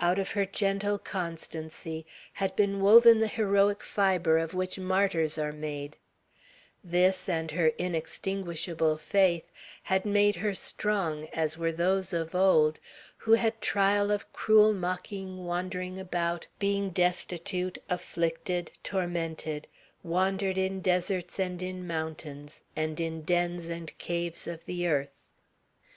Out of her gentle constancy had been woven the heroic fibre of which martyrs are made; this, and her inextinguishable faith, had made her strong, as were those of old, who "had trial of cruel mocking, wandering about, being destitute, afflicted, tormented, wandered in deserts and in mountains, and in dens and caves of the earth."